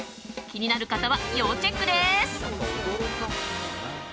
気になる方は要チェックです。